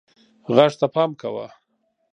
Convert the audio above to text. غږ ته پام کوه.